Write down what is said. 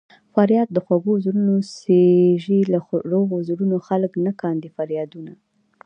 فریاد د خوږو زړونو خېژي له روغو زړونو خلک نه کا فریادونه